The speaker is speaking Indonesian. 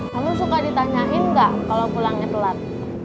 kamu suka ditanyain ga kalo pulangnya telat